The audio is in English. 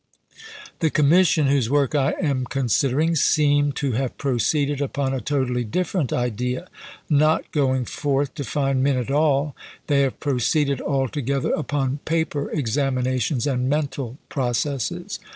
The commission, whose work I am consid ering, seem to have proceeded upon a totally different idea. Not going forth to find men at all, they have pro ceeded altogether upon paper examinations and mental processes.